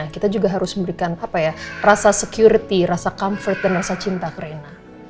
kita juga harus memberikan apa ya rasa security rasa comfort dan rasa cinta ke rena